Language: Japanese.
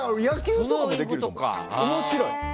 面白い。